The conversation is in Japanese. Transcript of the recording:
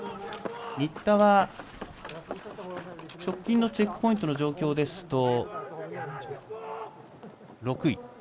新田は、直近のチェックポイントの状況ですと６位。